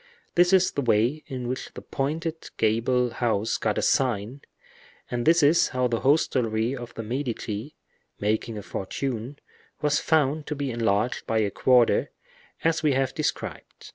This is the way in which the pointed gable house got a sign; and this is how the hostelry of the Medici, making a fortune, was found to be enlarged by a quarter, as we have described.